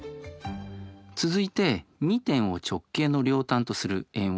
続いて２点を直径の両端とする円を求めます。